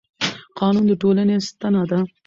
قانون د ټولنې ستنه ده